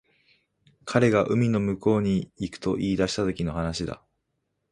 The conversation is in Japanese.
彼が海の向こうに行くと言い出したときの話だ